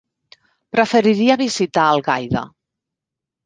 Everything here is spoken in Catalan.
Preferiria visitar Algaida.